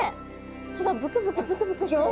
違うブクブクブクブクしてる。